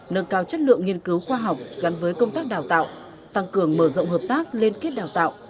nâng cao chất lượng nghiên cứu khoa học gắn với công tác đào tạo tăng cường mở rộng hợp tác liên kết đào tạo